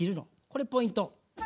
これポイント。